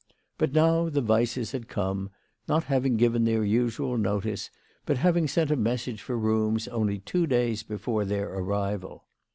But now the "Weisses had come, not having given their usual notice, but having sent a message for rooms only two days before their arrival.